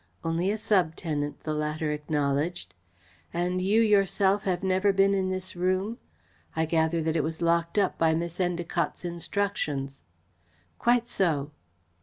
"Only a sub tenant," the latter acknowledged. "And you yourself have never been in this room? I gather that it was locked up by Miss Endacott's instructions." "Quite so."